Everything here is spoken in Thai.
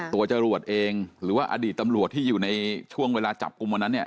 จรวดเองหรือว่าอดีตตำรวจที่อยู่ในช่วงเวลาจับกลุ่มวันนั้นเนี่ย